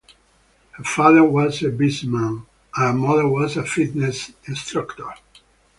Her father was a businessman and her mother was a fitness instructor.